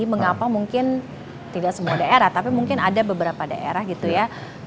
mengapa mungkin tidak semua daerah tapi mungkin ada beberapa daerah gitu ya